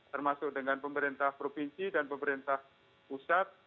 termasuk dengan pemerintah provinsi dan pemerintah pusat